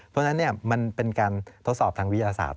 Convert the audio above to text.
เพราะฉะนั้นมันเป็นการทดสอบทางวิทยาศาสต